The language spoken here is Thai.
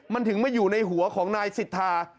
มันถึงมาอยู่ในหัวของนายสิทธา